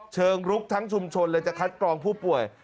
เชิงลุกทั้งชุมชนเลยจะคัดกรองผู้ป่วย